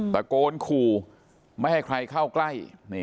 ภิกษ์กรูไม่ให้ใครเข้าก็ไกล